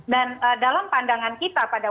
dan dalam pandangan kita pada